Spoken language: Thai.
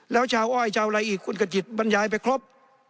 แล้วชาวอ้อยชาวอะไรอีกคุณกระจิตบรรยายไปครบ